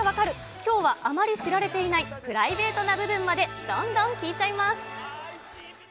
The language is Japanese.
きょうはあまり知られていないプライベートな部分まで、どんどん聞いちゃいます。